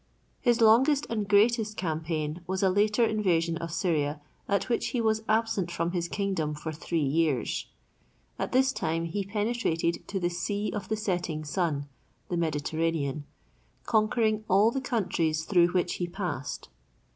His longest and greatest campaign was a later invasion of Syria at which he was absent from his kingdom for three years. At this time he penetrated to the "Sea of the setting Sun"—the Mediterranean—conquering all the countries through which he passed.